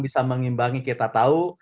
bisa mengimbangi kita tahu